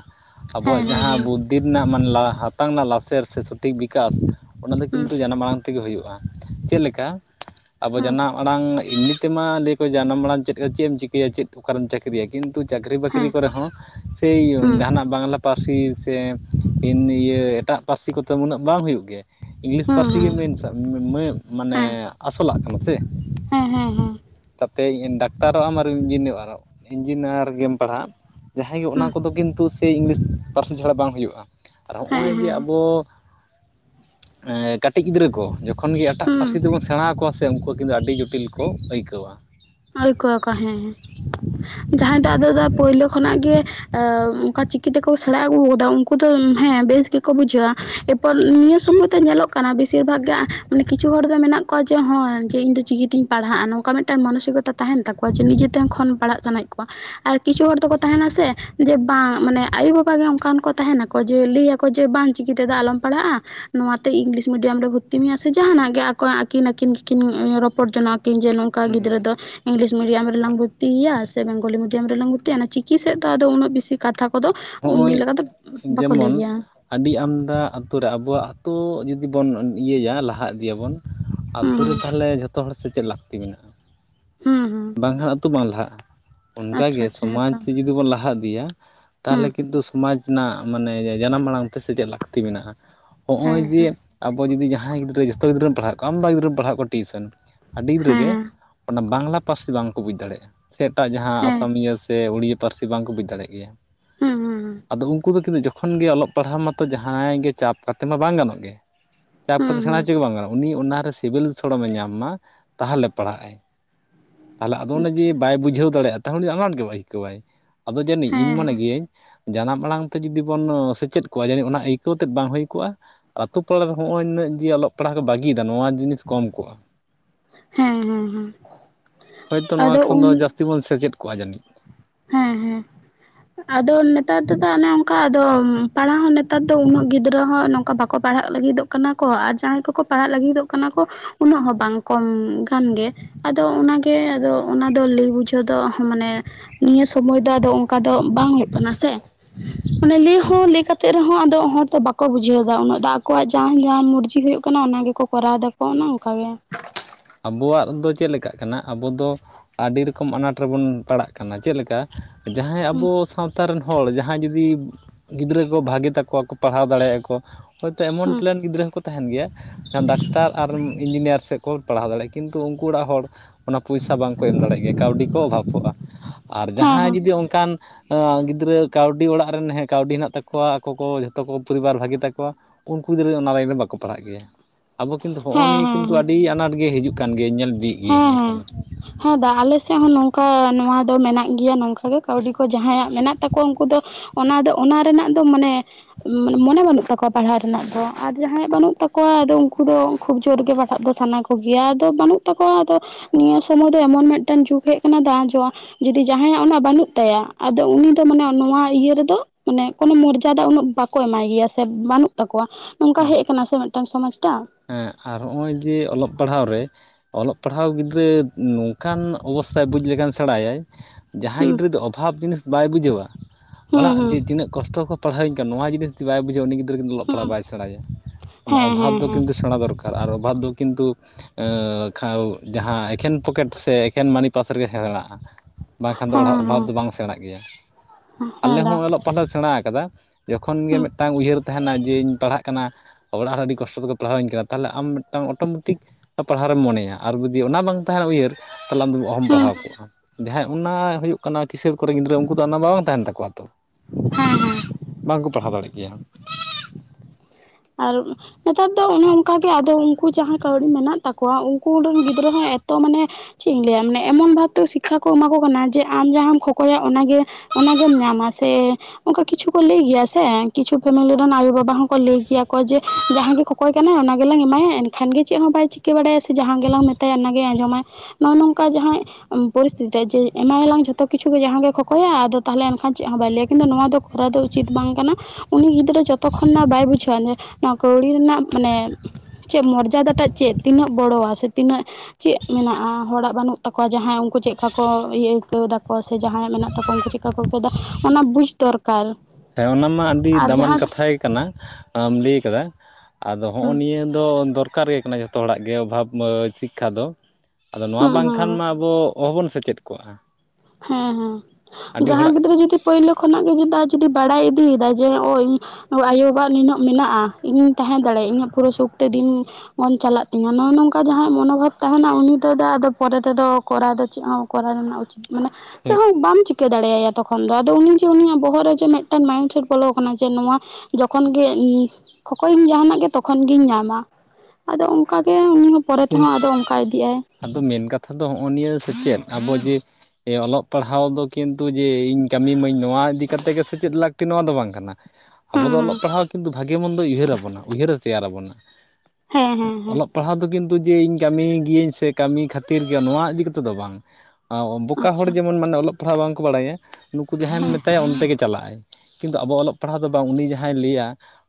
ᱦᱮᱸ ᱟᱵᱚᱣᱟᱜ ᱦᱮᱸ ᱡᱟᱦᱟᱸ ᱦᱮᱸ ᱵᱩᱫ ᱫᱤ ᱨᱮᱱᱟᱜ ᱢᱟᱱᱮ ᱞᱟ ᱦᱟᱛᱟᱝ ᱨᱮᱱᱟᱜ ᱞᱟᱥᱮᱨ ᱥᱮ ᱥᱚᱴᱷᱤᱠ ᱵᱤᱠᱟᱥ ᱚᱱᱟ ᱫᱚ ᱦᱩᱸ ᱠᱤᱱᱛᱩ ᱡᱟᱱᱟᱢ ᱟᱲᱟᱝ ᱛᱮᱜᱮ ᱦᱩᱭᱩᱜᱼᱟ ᱪᱮᱫ ᱞᱮᱠᱟ ᱟᱵᱚ ᱦᱩᱸ ᱡᱟᱱᱟᱢ ᱟᱲᱟᱝ ᱤᱱ ᱛᱮᱢᱟ ᱞᱟᱹᱭᱟᱠᱚ ᱡᱟᱱᱟᱢ ᱟᱲᱟᱝ ᱪᱮᱫ ᱪᱮᱫ ᱮᱢ ᱪᱤᱠᱟᱹᱭᱟ ᱪᱮᱫ ᱚᱠᱟᱨᱮᱢ ᱪᱟᱹᱠᱨᱤᱭᱟ ᱠᱤᱱᱛᱩ ᱪᱟᱹᱠᱨᱤ ᱦᱮᱸ ᱵᱟᱹᱠᱨᱤ ᱠᱚᱨᱮ ᱦᱚᱸ ᱥᱮᱭ ᱦᱩᱸ ᱡᱟᱦᱟᱱᱟᱜ ᱵᱟᱝᱞᱟ ᱯᱟᱹᱨᱥᱤ ᱥᱮ ᱮᱢᱱᱤ ᱤᱭᱟᱹ ᱮᱴᱟᱜ ᱯᱟᱹᱨᱥᱤ ᱠᱚᱛᱮ ᱩᱱᱟᱹᱜ ᱵᱟᱝ ᱦᱩᱭᱩᱜ ᱜᱮ᱾ ᱤᱝᱞᱤᱥ ᱦᱩᱸ ᱯᱟᱹᱨᱥᱤ ᱜᱮ ᱦᱩᱸ ᱢᱮᱱ ᱥᱟᱜ ᱢᱮ ᱦᱮᱸ ᱢᱟᱱᱮ ᱟᱥᱚᱞᱟᱜ ᱠᱟᱱᱟ ᱥᱮ᱾ ᱦᱮᱸ ᱦᱮᱸ ᱦᱮᱸ᱾ ᱛᱟᱯᱚᱛᱮ ᱰᱟᱠᱛᱟᱨᱚᱜ ᱟᱢ ᱟᱨ ᱤᱧᱡᱤᱱᱤᱭᱟᱨᱚᱜ ᱤᱧᱡᱤᱱᱤᱭᱟᱨ ᱜᱮᱢ ᱯᱟᱲᱦᱟᱜ ᱡᱟᱦᱟᱸᱭ ᱜᱮ ᱦᱩᱸ ᱚᱱᱟ ᱠᱚᱫᱚ ᱠᱤᱱᱛᱩ ᱥᱮᱭ ᱤᱝᱞᱤᱥ ᱯᱟᱹᱨᱥᱤ ᱪᱷᱟᱲᱟ ᱵᱟᱝ ᱦᱩᱭᱩᱜᱼᱟ᱾ ᱟᱨ ᱦᱮᱸ ᱦᱚᱸᱜᱼᱚᱭ ᱡᱮ ᱦᱮᱸ ᱟᱵᱚ ᱮᱸ ᱠᱟᱹᱴᱤᱡ ᱜᱤᱫᱽᱨᱟᱹ ᱠᱚ ᱡᱚ ᱠᱷᱚᱱ ᱜᱮ ᱮᱴᱟᱜ ᱯᱟᱹᱨᱥᱤ ᱦᱩᱸ ᱛᱮᱵᱚᱱ ᱥᱮᱬᱟ ᱟᱠᱚᱣᱟ ᱥᱮ ᱩᱱᱠᱩ ᱠᱤᱱᱛᱩ ᱟᱹᱰᱤ ᱡᱚᱴᱤᱞ ᱠᱚ ᱟᱹᱭᱠᱟᱹᱣᱟ᱾ ᱟᱹᱭᱠᱟᱹᱣᱟᱠᱚ ᱦᱮᱸ ᱦᱮᱸ, ᱡᱟᱦᱟᱸᱭ ᱫᱚ ᱟᱫᱚ ᱫᱚᱟ ᱯᱳᱭᱞᱳ ᱠᱷᱚᱱᱟᱜ ᱜᱮ ᱟ ᱚᱱᱠᱟ ᱪᱤᱠᱤ ᱛᱮᱠᱚ ᱥᱮᱬᱟ ᱟᱹᱜᱩ ᱠᱟᱫᱟ ᱩᱱᱠᱩ ᱫᱚ ᱦᱮᱸ ᱵᱮᱥ ᱛᱮᱠᱚ ᱵᱩᱡᱷᱟᱹᱣᱟ ᱮᱨᱯᱚᱨ ᱱᱤᱭᱟᱹ ᱥᱚᱢᱚᱭ ᱛᱮ ᱧᱮᱞᱚᱜ ᱠᱟᱱᱟ ᱵᱮᱥᱤᱨ ᱵᱷᱟᱜᱽ ᱜᱮ ᱢᱟᱱᱮ ᱠᱤᱪᱷᱩ ᱦᱚᱲ ᱫᱚ ᱢᱮᱱᱟᱜ ᱠᱚᱣᱟ ᱡᱮ ᱦᱚᱭ ᱡᱮ ᱦᱚᱸ ᱡᱮ ᱤᱧ ᱫᱚ ᱪᱤᱠᱤ ᱛᱤᱧ ᱯᱟᱲᱦᱟᱜᱼᱟ ᱱᱚᱝᱠᱟ ᱢᱤᱫᱴᱟᱝ ᱢᱟᱱᱚᱥᱤᱠᱚ ᱛᱟᱦᱮᱱ ᱛᱟᱠᱚᱣᱟ ᱡᱮ ᱱᱤᱡᱮᱛᱮ ᱠᱷᱚᱱ ᱯᱟᱲᱦᱟᱜ ᱥᱟᱱᱟᱭᱮᱫ ᱠᱚᱣᱟ ᱟᱨ ᱠᱤᱪᱷᱩ ᱦᱚᱲ ᱫᱚᱠᱚ ᱛᱟᱦᱮᱱᱟ ᱥᱮ ᱡᱮ ᱵᱟᱝ ᱢᱟᱱᱮ ᱟᱭᱳ ᱵᱟᱵᱟ ᱜᱮ ᱚᱱᱠᱟᱱ ᱠᱚ ᱛᱟᱦᱮᱱᱟᱠᱚ ᱡᱮ ᱞᱟᱹᱭᱟᱠᱚ ᱡᱮ ᱵᱟᱝ ᱪᱤᱠᱤ ᱛᱮᱫᱚ ᱟᱞᱚᱢ ᱯᱟᱲᱦᱟᱜᱼᱟ, ᱱᱚᱣᱟᱛᱮ ᱤᱝᱞᱤᱥ ᱢᱤᱰᱤᱭᱟᱢ ᱞᱮ ᱵᱷᱚᱨᱛᱤ ᱢᱮᱭᱟ ᱥᱮ ᱡᱟᱦᱟᱱᱟᱜ ᱜᱮ ᱟᱠᱚᱣᱟᱜ ᱟᱹᱠᱤᱱ ᱟᱹᱠᱤᱱ ᱜᱮᱠᱤᱱ ᱮ ᱨᱚᱯᱚᱲ ᱡᱚᱱᱟ ᱟᱠᱤᱱ ᱡᱮ ᱠᱟ ᱦᱩᱸ ᱜᱤᱫᱽᱨᱟᱹ ᱫᱚ᱾ ᱤᱝᱞᱤᱥ ᱢᱤᱰᱤᱭᱟᱢ ᱨᱮᱞᱟᱝ ᱵᱷᱚᱨᱛᱤᱭᱭᱟ ᱥᱮ ᱵᱮᱝᱜᱚᱞᱤ ᱢᱰᱤᱭᱟᱢ ᱨᱮᱞᱟᱝ ᱵᱷᱚᱨᱛᱤᱭᱭᱟ ᱚᱱᱟ ᱪᱤᱠᱤ ᱥᱮᱫ ᱫᱚ ᱟᱫᱚ ᱩᱱᱟᱹᱜ ᱵᱤᱥᱤ ᱠᱟᱛᱷᱟ ᱠᱚᱫᱚ ᱩᱱᱫᱤᱱ ᱦᱚᱸᱜᱼᱚᱭ ᱞᱮᱠᱟ ᱫᱚ ᱵᱟᱠᱚ ᱞᱟᱹᱭ ᱡᱮᱢᱚᱱ ᱜᱮᱭᱟ᱾ ᱟᱹᱰᱤ ᱟᱢᱫᱟ ᱟᱛᱳ ᱨᱮ ᱟᱵᱚᱣᱟᱜ ᱟᱹᱛᱳ ᱡᱩᱫᱤ ᱵᱚᱱ ᱤᱭᱟᱹᱭᱟ ᱞᱟᱦᱟ ᱤᱫᱤᱭᱟᱵᱚᱱ, ᱟᱛᱳ ᱦᱩᱸ ᱨᱮ ᱦᱩᱸ ᱛᱟᱦᱞᱮ ᱡᱚᱛᱚ ᱦᱚᱲ ᱥᱮᱪᱮᱫ ᱞᱟᱹᱠᱛᱤ ᱢᱮᱱᱟᱜᱼᱟ᱾ ᱦᱩᱸ ᱦᱩᱸ ᱵᱟᱝᱠᱷᱟᱱ ᱟᱛᱩ ᱵᱟᱝ ᱞᱟᱦᱟᱜᱼᱟ᱾ ᱟᱪᱪᱷᱟ ᱚᱱᱠᱟᱜᱮ ᱟᱪᱪᱷᱟ ᱥᱚᱢᱟᱡᱽ ᱦᱮᱸᱛᱚ ᱡᱩᱫᱤ ᱵᱚᱱ ᱞᱟᱦᱟ ᱤᱫᱤᱭᱟ ᱦᱩᱸ ᱛᱟᱦᱞᱮ ᱠᱤᱱᱛᱩ ᱥᱚᱢᱟᱡᱽ ᱨᱮᱱᱟᱜ ᱢᱟᱱᱮ ᱡᱟᱱᱟᱢ ᱟᱲᱟᱝ ᱛᱮ ᱥᱮᱪᱮᱫ ᱞᱟᱹᱠᱛᱤ ᱢᱮᱱᱟᱜᱼᱟ᱾ ᱦᱮᱸ ᱦᱚᱸᱜᱼᱚᱭ ᱡᱮ ᱦᱮᱸ ᱟᱵᱚ ᱡᱩᱫᱤ ᱡᱟᱦᱟᱸᱭ ᱜᱤᱫᱽᱨᱟᱹ ᱡᱷᱚᱛᱚ ᱜᱤᱫᱽᱨᱟᱹᱢ ᱯᱟᱲᱦᱟᱣᱮᱜ ᱠᱚᱣᱟ ᱟᱢᱫᱟ ᱜᱤᱫᱽᱨᱟᱹᱢ ᱯᱟᱲᱦᱟᱣᱮᱜ ᱠᱚᱣᱟ ᱴᱤᱭᱩᱥᱮᱱ, ᱟᱹᱰᱤ ᱜᱤᱫᱽᱨᱟᱹ ᱜᱮ ᱦᱮᱸ ᱦᱮᱸ ᱚᱱᱟ ᱵᱟᱝᱞᱟ ᱯᱟᱹᱨᱥᱤ ᱵᱟᱝᱠᱚ ᱵᱩᱡᱽ ᱫᱟᱲᱮᱭᱟᱜᱼᱟ᱾ ᱥᱮ ᱮᱴᱟᱜ ᱡᱟᱦᱟᱸ ᱦᱮᱸ ᱟᱥᱟᱢᱤᱭᱟᱹ ᱥᱮ ᱩᱲᱤᱭᱟ ᱯᱟᱹᱨᱥᱤ ᱵᱟᱝᱠᱚ ᱵᱩᱡᱽ ᱫᱟᱲᱮᱜ ᱜᱮᱭᱟ᱾ ᱦᱩᱸ ᱦᱩᱸ ᱟᱫᱚ ᱩᱱᱠᱩ ᱫᱚ ᱠᱤᱱᱛᱩ ᱡᱚᱠᱷᱚᱱ ᱜᱮ ᱚᱞᱚᱜ ᱯᱟᱲᱦᱟᱣ ᱢᱟᱛᱚ ᱡᱟᱦᱟᱸᱭ ᱜᱮ ᱪᱟᱯ ᱠᱟᱛᱮ ᱢᱟ ᱵᱟᱝ ᱜᱟᱱᱚᱜ ᱜᱮ᱾ ᱪᱟᱯ ᱦᱩᱸ ᱛᱮᱫᱚ ᱦᱩᱸ ᱥᱮᱬᱟ ᱪᱚ ᱜᱮ ᱦᱩᱸ ᱵᱟᱝ ᱜᱚᱞᱟᱱᱚᱜ-ᱟ, ᱩᱱᱤ ᱚᱱᱟᱨᱮ ᱥᱤᱵᱤᱞ ᱥᱚᱲᱚᱢᱮ ᱧᱟᱢ ᱢᱟ ᱛᱟᱦᱚᱞᱮ ᱯᱟᱲᱦᱟᱜᱼ ᱟᱭ᱾ ᱛᱟᱦᱚᱞᱮ ᱟᱫᱚ ᱚᱱᱮ ᱡᱮ ᱟᱪᱪᱷᱟ ᱵᱟᱭ ᱵᱩᱷᱟᱹᱣ ᱫᱟᱲᱮᱭᱟᱜᱼᱟ ᱛᱟᱦᱚᱞᱮ ᱩᱱᱤᱫᱚ ᱟᱱᱟᱴ ᱜᱮ ᱵᱟᱭ ᱟᱹᱭᱠᱟᱹᱣᱟᱭ ᱟᱫᱚ ᱡᱟᱹᱱᱤᱡ ᱤᱧ ᱦᱮᱸ ᱢᱚᱱᱮ ᱦᱮᱸ ᱤᱧ ᱡᱟᱱᱟᱢ ᱟᱲᱟᱝ ᱛᱮ ᱡᱩᱫᱤ ᱵᱚᱱ ᱥᱮᱪᱮᱫ ᱠᱚᱜᱼᱟ ᱚᱱᱟ ᱟᱹᱭᱠᱟᱹᱣ ᱛᱮ ᱵᱟᱝ ᱦᱩᱭ ᱠᱚᱜᱼᱟ᱾ ᱟᱛᱳ ᱯᱟᱲᱟᱨ ᱨᱮ ᱦᱚᱸᱜᱼᱚᱭ ᱱᱩᱱᱟᱹᱜ ᱡᱮ ᱚᱞᱚᱜ ᱯᱟᱲᱦᱟᱜ ᱠᱚ ᱵᱟᱹᱜᱤᱭ ᱫᱟ ᱱᱚᱣᱟ ᱡᱤᱱᱤ ᱠᱚᱢ ᱠᱚᱜ-ᱟ, ᱦᱮᱸ ᱦᱮᱸ ᱦᱮᱸ ᱦᱳᱭ ᱛᱚ ᱱᱚᱣᱟ ᱟᱫᱚ ᱠᱷᱚᱱ ᱫᱚ ᱩᱱ ᱡᱟᱥ ᱛᱤ ᱵᱚᱱ ᱥᱮᱪᱮᱫ ᱠᱚᱜ-ᱟ ᱡᱟᱱᱤᱡ᱾ ᱦᱮᱸ ᱦᱮᱸ [inaudible] ᱟᱫᱚ ᱱᱮᱛᱟᱨ ᱫᱚ ᱫᱟ ᱚᱱᱮ ᱚᱝᱠᱟ ᱟᱫᱚ ᱯᱟᱲᱦᱟᱣ ᱦᱚᱸ ᱱᱮᱛᱟᱨ ᱫᱚ ᱩᱱᱟᱹᱜ ᱜᱤᱫᱽᱨᱟᱹ ᱦᱚᱸ ᱱᱚᱝᱠᱟ ᱵᱟᱠᱚ ᱯᱟᱲᱦᱟᱜ ᱞᱟᱹᱜᱤᱫᱚᱜ ᱠᱟᱱᱟ ᱠᱚ ᱟᱨ ᱡᱟᱦᱟᱸᱭ ᱠᱚᱠᱚ ᱯᱟᱲᱦᱟᱜ ᱞᱟᱹᱜᱤᱫᱚᱜ ᱠᱟᱱᱟ ᱠᱚ ᱩᱱᱟᱹᱜ ᱦᱚᱸ ᱵᱟᱝ ᱠᱚᱢ ᱜᱟᱱ ᱜᱮ᱾ ᱟᱫᱚ ᱚᱱᱟ ᱜᱮ ᱟᱫᱚ ᱚᱱᱟ ᱫᱚ ᱞᱟᱹᱭ ᱵᱩᱡᱷᱟᱹᱣ ᱫᱚ ᱢᱟᱱᱮ ᱱᱤᱭᱟᱹ ᱥᱚᱢᱚᱭ ᱫᱚ ᱟᱫᱚ ᱚᱝᱠᱟ ᱫᱚ ᱵᱟᱝ ᱦᱩᱭᱩᱜ ᱠᱟᱱᱟ ᱥᱮ᱾ ᱢᱟᱱᱮ ᱦᱚᱸ ᱞᱟᱹᱭ ᱠᱟᱛᱮ ᱨᱮᱦᱚᱸ ᱟᱫᱚ ᱦᱚᱲ ᱫᱚ ᱵᱟᱠ ᱠᱚ ᱵᱩᱡᱷᱟᱹᱣ ᱮᱫᱟ ᱩᱱᱟᱹᱜ ᱫᱚ ᱟᱠᱚᱣᱟᱜ ᱡᱟᱦᱟᱸᱱ ᱡᱟᱦᱟᱸᱱ ᱢᱚᱨᱡᱤ ᱦᱩᱭᱩᱜ ᱠᱟᱱᱟ ᱚᱱᱟ ᱜᱮᱠᱚ ᱠᱚᱨᱟᱣ ᱮᱫᱟ ᱠᱚ ᱚᱱᱮ ᱚᱝᱠᱟ ᱜᱮ᱿ ᱟᱵᱚᱣᱟᱜ ᱫᱚ ᱪᱮᱞᱠᱟᱜ ᱠᱟᱱᱟ ᱟᱵᱚ ᱫᱚ ᱟᱹᱰᱤ ᱨᱚᱠᱚᱢ ᱟᱱᱟᱴ ᱨᱮᱵᱚᱱ ᱯᱟᱲᱟᱜ ᱠᱟᱱᱟ, ᱪᱮᱫ ᱞᱮᱠᱟ ᱡᱟᱦᱟᱸᱭ ᱟᱵᱚ ᱥᱟᱶ ᱛᱟ ᱨᱤᱱ ᱦᱚᱲ ᱡᱟᱦᱟᱸᱭ ᱡᱩᱫᱤ ᱜᱤᱫᱽᱨᱟᱹ ᱠᱚ ᱵᱷᱟᱜᱮ ᱛᱟᱠᱚᱣᱟ ᱠᱚ ᱯᱟᱲᱦᱟᱣ ᱫᱟᱲᱮᱜ ᱟᱠᱚ ᱦᱚᱭ ᱛᱚ ᱮᱢᱚᱱ ᱦᱮᱸ ᱴᱮᱞᱮᱱᱴ ᱜᱤᱫᱽᱨᱟᱹ ᱦᱚᱸᱠᱚ ᱛᱟᱸᱦᱮᱱ ᱜᱮᱭᱟ ᱰᱟᱠᱛᱟᱨ ᱟᱨ ᱤᱧᱡᱤᱱᱤᱭᱟᱨ ᱥᱮᱫ ᱠᱚ ᱯᱟᱲᱦᱟᱣ ᱫᱟᱲᱮᱜ ᱠᱤᱱᱛᱩ ᱩᱝᱠᱩ ᱚᱲᱟᱜ ᱦᱚᱲ ᱚᱱᱟ ᱯᱚᱭᱥᱟ ᱵᱟᱝᱠᱚ ᱮᱢ ᱫᱟᱲᱮᱜ ᱜᱮᱭᱟ ᱠᱟᱹᱣᱰᱤ ᱠᱚ ᱚᱵᱷᱟᱯᱚᱜ-ᱟ᱾ ᱟᱨ ᱡᱟᱦᱟᱸ ᱦᱮᱸ ᱡᱩᱫᱤ ᱚᱱᱠᱟᱱ ᱦᱮᱸ ᱜᱤᱫᱽᱨᱟᱹ ᱠᱟᱹᱣᱰᱤ ᱚᱲᱟᱜ ᱨᱮᱱ ᱦᱮᱸ ᱠᱟᱹᱣᱰᱤ ᱦᱮᱱᱟᱜ ᱛᱟᱠᱚᱣᱟ ᱟᱠᱚ ᱠᱚ ᱡᱷᱚᱛᱚ ᱠᱚ ᱯᱚᱨᱤᱵᱟᱨ ᱵᱷᱟᱜᱮ ᱛᱟᱠᱚᱣᱟ ᱩᱱᱠᱩ ᱜᱤᱫᱽᱨᱟᱹ ᱚᱱᱟ ᱞᱟᱭᱤᱱ ᱨᱮ ᱵᱟᱠᱚ ᱯᱟᱲᱦᱟᱜ ᱜᱮᱭᱟ᱾ ᱟᱵᱚ ᱠᱤᱱᱛᱩ ᱦᱮᱸ ᱦᱚᱸᱜ-ᱚ ᱦᱮᱸ ᱦᱮᱸ ᱱᱤᱭᱟᱹ ᱦᱮᱸ ᱠᱤᱱᱛᱩ ᱟᱹᱰᱤ ᱟᱱᱟᱴ ᱜᱮ ᱦᱤᱡᱩᱜ ᱠᱟᱱ ᱜᱮᱭᱟᱹᱧ ᱧᱮᱞ ᱤᱫᱤᱜ ᱜᱤᱭᱟᱹᱧ ᱦᱮᱸ ᱦᱮᱸ ᱮᱠᱷᱚᱱᱚ᱾ ᱦᱮᱸ ᱵᱟ ᱟᱞᱮ ᱥᱮᱫ ᱦᱚᱸ ᱱᱚᱝᱠᱟ ᱱᱚᱣᱟ ᱫᱚ ᱢᱮᱱᱟᱜ ᱜᱮᱭᱟ ᱱᱚᱝᱠᱟ ᱜᱮ ᱠᱟᱹᱣᱰᱤ ᱠᱚ ᱡᱟᱦᱟᱸᱭᱟᱜ ᱢᱮᱱᱟᱜ ᱛᱟᱠᱚᱣᱟ ᱩᱝᱠᱩ ᱫᱚ ᱚᱱᱟ ᱫᱚ ᱚᱱᱟ ᱨᱮᱱᱟᱜ ᱫᱚ ᱢᱟᱱᱮ ᱢᱚᱱᱮ ᱵᱟᱹᱱᱩᱜ ᱛᱟᱠᱚᱣᱟ ᱯᱟᱲᱦᱟᱣ ᱨᱮᱱᱟᱜ ᱫᱚ ᱟᱨ ᱡᱟᱦᱟᱸᱭᱟᱜ ᱵᱟᱹᱱᱩᱜ ᱛᱟᱠᱚᱣᱟ ᱟᱫᱚ ᱩᱝᱠᱩ ᱫᱚ ᱠᱷᱩᱵ ᱡᱳᱨᱜᱮ ᱯᱟᱲᱦᱟᱜ ᱫᱚ ᱥᱟᱱᱟ ᱠᱚᱜᱮᱭᱟ ᱟᱫᱚ ᱵᱟᱹᱱᱩᱜ ᱛᱟᱠᱚᱣᱟ ᱟᱫᱚ ᱱᱚᱭᱟ ᱥᱚᱢᱚᱭ ᱫᱚ ᱮᱢᱚᱱ ᱢᱤᱫᱴᱟᱹᱱ ᱡᱩᱜ ᱦᱮᱜ ᱠᱟᱱᱟ ᱫᱟᱸ ᱡᱚᱸ ᱡᱩᱫᱤ ᱡᱟᱦᱟᱸᱭᱟᱜ ᱚᱱᱟ ᱵᱟᱹᱱᱩᱜ ᱛᱟᱭᱟ ᱟᱫᱚ ᱩᱱᱤ ᱫᱚ ᱢᱟᱱᱮ ᱱᱚᱣᱟ ᱤᱭᱟᱹ ᱨᱮᱫᱚ ᱢᱟᱱᱮ ᱠᱳᱱᱳ ᱢᱚᱨᱡᱟᱫᱟ ᱩᱱᱟᱹᱜ ᱵᱟ ᱠᱚ ᱮᱢᱟᱭ ᱜᱮᱭᱟ ᱥᱮ ᱵᱟᱹᱱᱩᱜ ᱛᱟᱠᱚᱣᱟ ᱱᱚᱝᱠᱟ ᱦᱮᱡ ᱠᱟᱱᱟ ᱥᱮ ᱢᱤᱫᱴᱟᱝ ᱥᱚᱢᱟᱡᱽ ᱴᱟ? ᱦᱮᱸ ᱟᱨ ᱦᱚᱸᱜ-ᱚᱭ ᱡᱮ ᱚᱞᱚᱜ ᱯᱟᱲᱦᱟᱣ ᱨᱮ ᱚᱞᱚᱜ ᱯᱟᱲᱦᱟᱣ ᱜᱤᱫᱽᱨᱟᱹ ᱱᱚᱝᱠᱟᱱ ᱚᱵᱚᱥᱛᱟᱭ ᱵᱩᱡᱽ ᱞᱮᱠᱷᱟᱱ ᱥᱮᱬᱟᱭᱟᱭ, ᱡᱟᱦᱟᱸᱭ ᱦᱩᱸ ᱜᱤᱫᱽᱨᱟᱹ ᱫᱚ ᱚᱵᱷᱟᱵᱽ ᱡᱤᱱᱤᱥ ᱵᱟᱭ ᱵᱩᱡᱷᱟᱹᱣᱟ ᱦᱩᱸ ᱚᱲᱟᱜ ᱦᱩᱸ ᱨᱮᱫᱚ ᱛᱤᱱᱟᱹᱜ ᱠᱚᱥᱴᱚ ᱠᱚ ᱯᱟᱲᱦᱟᱣᱟᱹᱧ ᱠᱟᱱᱟ ᱱᱚᱣᱟ ᱡᱤᱱᱤᱥ ᱡᱩᱫᱤ ᱵᱟᱭ ᱵᱩᱡᱷᱟᱹᱣᱟ ᱩᱱᱤ ᱜᱤᱫᱽᱟᱹᱨᱟᱹ ᱫᱚ ᱚᱞᱚᱜ ᱯᱟᱲᱦᱟᱜ ᱦᱩᱸ ᱵᱟᱭ ᱥᱮᱸᱬᱟᱭᱟ ᱚᱱᱟ ᱦᱮᱸ ᱚᱵᱷᱟᱵᱽ ᱦᱮᱸ ᱫᱚ ᱦᱮᱸ ᱠᱤᱱᱛᱩ ᱥᱮᱬᱟ ᱫᱚᱨᱠᱟᱨ ᱟᱨ ᱚᱵᱷᱟᱵ ᱫᱚ ᱠᱤᱱᱛᱩ ᱟᱸᱻ ᱡᱟᱦᱟᱸ ᱮᱠᱷᱮᱱ ᱯᱚᱠᱮᱴ ᱥᱮ ᱮᱠᱷᱮᱱ ᱢᱟᱹᱱᱤ ᱯᱟᱥ ᱨᱮᱜᱮ ᱦᱮᱱᱟᱸᱜ-ᱟ᱾ ᱵᱟᱠᱷᱟᱱ ᱫᱚ ᱚᱲᱟᱜ ᱦᱮᱸ ᱚᱵᱷᱟᱵᱽ ᱦᱮᱸ ᱫᱚ ᱵᱟᱝ ᱥᱮᱬᱟᱜ ᱜᱮᱭᱟ, ᱟᱞᱮ ᱦᱮᱸ ᱫᱟ ᱦᱚᱸ ᱚᱞᱚᱜ ᱯᱟᱲᱦᱟᱣ ᱥᱮᱬᱟ ᱠᱟᱫᱟ ᱡᱚᱠᱷᱚᱱ ᱜᱮ ᱦᱩᱸ ᱢᱤᱫᱴᱟᱝ ᱩᱭᱦᱟᱹᱨ ᱛᱟᱸᱦᱮᱱᱟ ᱡᱮᱧ ᱯᱟᱲᱦᱟᱜ ᱠᱟᱱᱟ ᱚᱲᱟᱜ ᱨᱮ ᱟᱰᱤ ᱠᱚᱥᱴᱚ ᱛᱮᱠᱚ ᱯᱟᱲᱦᱟᱣ ᱤᱧ ᱠᱟᱱᱟ ᱛᱟᱦᱚᱞᱮ ᱟᱢ ᱢᱤᱫᱴᱟᱝ ᱚᱴᱳᱢᱮᱴᱤᱠ ᱯᱟᱲᱦᱟᱣ ᱨᱮᱢ ᱢᱚᱱᱮᱭᱟ ᱟᱨ ᱡᱩᱫᱤ ᱚᱱᱟ ᱵᱟᱝ ᱛᱟᱸᱦᱮᱱᱟ ᱩᱭᱦᱟᱹᱨ ᱛᱟᱦᱚᱞᱮ ᱟᱢ ᱫᱚ ᱚᱦᱚᱢ ᱦᱩᱸ ᱯᱟᱲᱦᱟᱣ ᱠᱚᱜ-ᱟ, ᱡᱟᱦᱟᱸᱭ ᱚᱱᱟ ᱦᱩᱭᱩᱜ ᱠᱟᱱᱟ ᱠᱤᱥᱟᱹᱲ ᱠᱚᱨᱤᱱ ᱜᱤᱫᱽᱨᱟᱹ ᱩᱝᱠᱩ ᱫᱚ ᱚᱱᱟ ᱵᱟᱭ ᱛᱟᱦᱮᱸᱱ ᱛᱟᱠᱚᱣᱟ ᱛᱚ ᱦᱮᱸ ᱦᱮᱸ ᱵᱟᱝᱠᱚ ᱯᱟᱲᱦᱟᱣ ᱫᱟᱲᱮᱜ ᱜᱮᱭᱟ᱾ ᱟᱨ ᱩᱸ ᱱᱮᱛᱟᱨ ᱫᱚ ᱚᱱᱮ ᱚᱝᱠᱟ ᱜᱮ ᱟᱫᱚ ᱩᱝᱠᱩ ᱡᱟᱦᱟᱸ ᱠᱟᱹᱣᱰᱤ ᱢᱮᱱᱟᱜ ᱛᱟᱠᱚᱣᱟ ᱩᱝᱠᱩ ᱩᱰᱟᱹᱝ ᱜᱤᱫᱽᱨᱟᱹ ᱦᱮᱸ ᱮᱛᱚ ᱢᱟᱱᱮ ᱪᱮᱜ ᱤᱧ ᱞᱟᱹᱭᱟ ᱢᱟᱱᱮ ᱮᱢᱚᱱ ᱵᱷᱟᱵᱛᱮ ᱥᱤᱠᱠᱷᱟ ᱠᱚ ᱮᱢᱟ ᱠᱚ ᱠᱟᱱ ᱡᱮ ᱟᱢ ᱡᱟᱦᱟᱸᱢ ᱠᱷᱚᱠᱚᱭᱟ ᱚᱱᱟ ᱜᱮ ᱚᱱᱟ ᱜᱮᱢ ᱧᱟᱢᱟ ᱥᱮ ᱚᱝᱠᱟ ᱠᱤᱪᱷᱩ ᱠᱚ ᱞᱟᱹᱭ ᱜᱮᱭᱟ ᱥᱮ ᱠᱤᱪᱷᱩ ᱯᱷᱮᱢᱮᱞᱤ ᱨᱮᱱ ᱟᱭᱳ-ᱵᱟᱵᱟ ᱦᱚᱸᱠᱚ ᱞᱟᱹᱭ ᱜᱮᱭᱟ ᱠᱚ ᱡᱮ ᱡᱟᱦᱟᱸ ᱜᱮ ᱠᱚᱠᱚᱭ ᱠᱟᱱᱟ ᱚᱱᱟ ᱜᱮᱞᱟᱝ ᱮᱢᱟᱭᱟ ᱮᱱᱠᱷᱟᱱ ᱜᱮ ᱪᱮᱫ ᱦᱚᱸ ᱵᱟᱭ ᱪᱤᱠᱟᱹ ᱵᱟᱲᱟᱭᱟ ᱥᱮ ᱡᱟᱦᱟᱸ ᱜᱮᱞᱟᱝ ᱢᱮᱛᱟᱭᱟ ᱚᱱᱟ ᱜᱮ ᱟᱸᱡᱚᱢᱟᱭ᱾ ᱱᱚᱸᱜ-ᱱᱚᱝᱠᱟ ᱡᱟᱦᱟᱸᱭ ᱯᱚᱨᱤᱥᱛᱷᱤᱛᱤ ᱨᱮ ᱡᱮ ᱮᱢᱟᱭᱟᱝ ᱡᱷᱚᱛᱚ ᱠᱤᱪᱷᱩ ᱜᱮ ᱡᱟᱦᱟᱸ ᱜᱮ ᱠᱚᱠᱚᱭᱟ ᱟᱫᱚ ᱛᱟᱦᱚᱞᱮ ᱮᱱᱠᱷᱟᱱ ᱪᱮᱫ ᱦᱚᱸ ᱵᱟᱭ ᱞᱟᱹᱭᱟ ᱠᱤᱱᱛᱩ ᱱᱚᱣᱟ ᱫᱚ ᱠᱚᱨᱟᱣ ᱫᱚ ᱩᱪᱤᱛ ᱵᱟᱝ ᱠᱟᱱᱟ, ᱩᱱᱤ ᱜᱤᱫᱽᱨᱟᱹ ᱡᱚᱛᱚ ᱠᱷᱚᱱᱟ ᱵᱟᱭ ᱵᱩᱡᱷᱟᱹᱣᱟ ᱱᱚᱣᱟ ᱠᱟᱹᱣᱲᱤ ᱨᱮᱱᱟᱜ ᱢᱟᱱᱮ ᱪᱮᱫ ᱢᱚᱨᱡᱟᱫᱟ ᱴᱟᱜ ᱪᱮᱫ ᱛᱤᱱᱟᱹᱜ ᱵᱟᱹᱲᱳᱣᱟ ᱥᱮ ᱛᱤᱱᱟᱹᱜ ᱪᱮᱜ ᱢᱮᱱᱟᱜ-ᱟ ᱦᱚᱲᱟᱜ ᱵᱟᱹᱱᱩᱜ ᱛᱟᱠᱚᱣᱟ ᱡᱟᱦᱟᱸ ᱩᱝᱠᱩ ᱪᱮᱜᱠᱟ ᱠᱚ ᱤᱭᱟᱹ ᱟᱹᱭᱠᱟᱹᱣ ᱫᱟᱠᱚ ᱥᱮ ᱡᱟᱦᱟᱸᱭ ᱢᱮᱱᱟᱜ ᱛᱟᱠᱚᱣᱟ ᱩᱝᱠᱩ ᱪᱮᱜ ᱠᱟᱠᱚ ᱟᱭᱠᱟᱹᱣ ᱫᱟ ᱚᱱᱟ ᱵᱩᱡᱽ ᱫᱚᱨᱠᱟᱨ᱾ ᱦᱮᱸ ᱚᱱᱟ ᱢᱟ ᱟᱹᱰᱤ ᱟᱨ ᱫᱟᱢᱟᱱ ᱡᱟᱦᱟᱸ ᱫᱚ ᱠᱟᱛᱷᱟ ᱜᱮ ᱠᱟᱱᱟ ᱟᱢ ᱞᱟᱹᱭ ᱠᱟᱫᱟ᱾ ᱟᱫᱚ ᱦᱚᱸᱜ-ᱚ ᱦᱩᱸ ᱱᱤᱭᱟᱹ ᱫᱚ ᱫᱚᱨᱠᱟᱨ ᱜᱮ ᱠᱟᱱᱟ ᱡᱷᱚᱛᱚ ᱦᱚᱲᱟᱜ ᱜᱮ ᱚᱵᱷᱟᱵᱽ ᱚ ᱥᱤᱠᱠᱷᱟ ᱫᱚ᱾ ᱟᱫᱚ ᱱᱚᱣᱟ ᱦᱩᱸ ᱦᱩᱸ ᱵᱟᱝᱠᱷᱟᱱ ᱢᱟ ᱟᱵᱚ ᱚᱦᱚᱵᱚᱱ ᱥᱮᱪᱮᱫ ᱠᱚᱜᱼᱟ ᱾ ᱦᱮᱸ ᱦᱮᱸ ᱡᱟᱦᱟᱸ ᱦᱚᱲᱟᱜ ᱜᱤᱫᱽᱨᱟᱹ ᱜᱮ ᱡᱩᱫᱤ ᱯᱩᱭᱞᱳ ᱠᱷᱚᱱᱟᱜ ᱜᱮ ᱡᱩ ᱡᱩᱫᱤ ᱵᱟᱲᱟᱭ ᱤᱫᱤᱭᱫᱟ ᱡᱮ ᱱᱚ ᱟᱭᱳ ᱵᱟᱵᱟᱜ ᱱᱤᱱᱟᱹᱜ ᱢᱮᱱᱟᱜᱼᱟ ᱤᱧ ᱛᱟᱦᱮᱸ ᱫᱟᱲᱮᱭᱟᱜᱼᱟ ᱤᱧᱟᱹᱜ ᱯᱩᱨᱟᱹ ᱥᱩᱠᱛᱮ ᱫᱤᱱ ᱵᱟᱝ ᱪᱟᱞᱟᱜ ᱛᱤᱧᱟᱹ ᱱᱚᱸᱜᱼᱚᱭ ᱱᱚᱝᱠᱟ ᱡᱟᱦᱟᱸ ᱢᱚᱱᱳᱵᱷᱟᱵ ᱛᱟᱦᱮᱸᱱᱟ ᱩᱱᱤ ᱛᱮᱫᱚ ᱟᱫᱚ ᱯᱚᱨᱮ ᱛᱮᱫᱚ ᱠᱚᱨᱟᱣ ᱫᱚ ᱪᱮᱫ ᱦᱚᱸ ᱠᱚᱨᱟᱣ ᱨᱮᱱᱟᱜ ᱩᱪᱤᱛ ᱢᱟᱱᱮ ᱪᱮᱫ ᱦᱮᱸ ᱦᱚᱸ ᱵᱟᱝ ᱪᱤ ᱠᱟᱹ ᱫᱟᱲᱮᱟᱭ ᱛᱚᱠᱷᱚᱱ ᱫᱚ ᱟᱫᱚ ᱩᱱᱤ ᱡᱮ ᱩᱱᱤᱭᱟᱜ ᱵᱚᱦᱚᱜ ᱨᱮ ᱡᱮ ᱢᱤᱫᱴᱟᱝ ᱢᱟᱭᱤᱱᱰᱥᱮᱴ ᱵᱚᱞᱚᱣ ᱠᱟᱱᱟ ᱡᱮ ᱱᱚᱣᱟ ᱡᱚᱠᱷᱚᱱ ᱜᱮ ᱠᱷᱚᱠᱚᱭᱢ ᱡᱟᱦᱟᱸᱱᱟᱜ ᱜᱮ ᱛᱚᱠᱷᱚᱱ ᱜᱤᱧ ᱧᱟᱢᱟ ᱾ ᱟᱫᱚ ᱚᱱᱠᱟ ᱜᱮ ᱩᱱᱤ ᱦᱚᱸ ᱯᱚᱨᱮ ᱠᱤᱱᱛᱩ ᱛᱮᱦᱚᱸᱫᱚ ᱚᱱᱠᱟ ᱤᱫᱤᱜᱼᱟᱭ ᱾ ᱟᱫᱚ ᱢᱮᱱ ᱠᱟᱛᱷᱟ ᱫᱚ ᱦᱚᱸᱜᱼᱚ ᱱᱤᱭᱟᱹ ᱥᱮᱪᱮᱫ ᱟᱵᱚ ᱡᱮ ᱡᱮ ᱚᱞᱚᱜ ᱯᱟᱲᱦᱟᱣ ᱫᱚ ᱠᱤᱱᱛᱩ ᱡᱮ ᱤᱧ ᱠᱟᱹᱢᱤᱢᱟᱹᱧ ᱱᱚᱣᱟ ᱤᱫᱤ ᱠᱟᱛᱮ ᱜᱮ ᱥᱮᱪᱮᱫ ᱞᱟᱹᱠᱛᱤ ᱱᱚᱣᱟ ᱫᱚ ᱵᱟᱝ ᱠᱟᱱᱟ ᱾ ᱟᱵᱚ ᱦᱮᱸ ᱫᱚ ᱦᱮᱸ ᱚᱞᱚᱜ ᱯᱟᱲᱦᱟᱣ ᱠᱤᱱᱛᱩ ᱵᱷᱟᱜᱮ ᱢᱚᱱᱫᱚᱭ ᱩᱭᱦᱟᱹᱨᱟᱵᱚᱱᱟ ᱩᱭᱦᱟᱹᱨᱮ ᱛᱮᱭᱟᱨᱟᱵᱚᱱᱟ ᱾ ᱦᱮᱸ ᱦᱮᱸ ᱦᱮᱸ ᱾ ᱯᱟᱲᱦᱟᱣ ᱫᱚ ᱠᱤᱱᱛᱩ ᱡᱮ ᱤᱧ ᱠᱟᱹᱢᱤ ᱜᱤᱭᱟᱹᱧ ᱥᱮ ᱠᱟᱹᱢᱤ ᱠᱷᱟᱹᱛᱤᱨ ᱜᱮ ᱱᱚᱣᱟ ᱤᱫᱤ ᱠᱟᱛᱮ ᱫᱚ ᱵᱟᱝ ᱟᱸ ᱚ ᱵᱚᱠᱟ ᱦᱚᱲ ᱟᱪᱪᱷᱟ ᱡᱮᱢᱚᱱ ᱢᱟᱱᱮ ᱚᱞᱚᱜ ᱯᱟᱲᱦᱟᱜ ᱵᱟᱝ ᱠᱚ ᱵᱟᱲᱟᱭᱟ ᱱᱩᱠᱩ ᱡᱟᱦᱟᱸᱭᱮᱢ ᱦᱮᱸ ᱢᱮᱛᱟᱭᱟ ᱚᱱᱛᱮ ᱜᱮ ᱪᱟᱞᱟᱜᱼ ᱟᱭ ᱾ ᱠᱤᱱᱛᱩ ᱟᱵᱚ ᱚᱞᱚᱜ ᱯᱟᱲᱦᱟᱣ ᱫᱚ ᱵᱟᱝ ᱩᱱᱤ ᱡᱟᱦᱟᱸᱭ ᱞᱟᱹᱭᱟ,